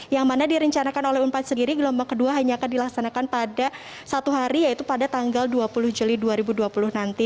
yang mana direncanakan oleh unpad sendiri gelombang kedua hanya akan dilaksanakan pada satu hari yaitu pada tanggal dua puluh juli dua ribu dua puluh nanti